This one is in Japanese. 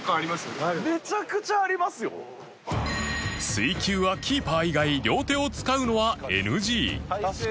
水球はキーパー以外両手を使うのは ＮＧ